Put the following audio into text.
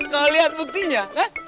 kau lihat buktinya